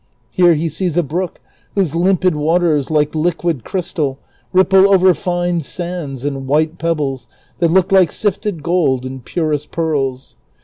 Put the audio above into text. Here he sees a l)rook whose limpid Avaters, like liquid crystal, ripple over fine saiids and white pebbles that look like sifted gold and purest pearls.